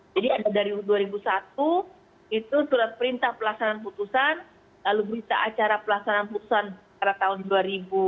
jadi ada dari dua ribu satu itu surat perintah pelaksanaan putusan lalu berita acara pelaksanaan putusan pada tahun dua ribu satu ya